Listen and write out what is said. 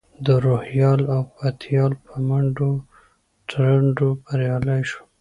د روهیال او پتیال په منډو ترړو بریالی شوم.